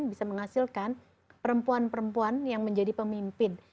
bisa menghasilkan perempuan perempuan yang menjadi pemimpin